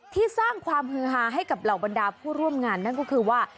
สร้างความฮือฮาให้กับเหล่าบรรดาผู้ร่วมงานนั่นก็คือว่า